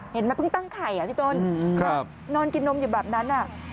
เห็นไหมเพิ่งตั้งไข่พี่โตนนอนกินนมอยู่แบบนั้น